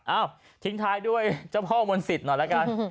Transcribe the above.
ทิ้งท้ายด้วยเจ้าพ่อมนศิษย์หน่อยแล้วกัน